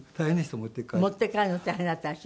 持って帰るの大変だったでしょ。